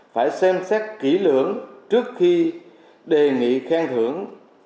phải xem xét kỹ lưỡng trước khi đề nghị khang thưởng